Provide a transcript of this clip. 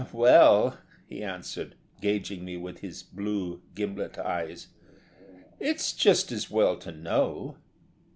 "Well," he answered, gauging me with his blue, gimlet eyes, "it's just as well to know."